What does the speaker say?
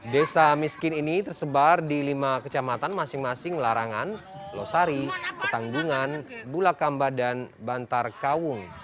desa miskin ini tersebar di lima kecamatan masing masing larangan losari petanggungan bulakamba dan bantar kaung